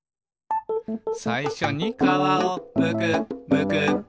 「さいしょに」「皮をむくむく」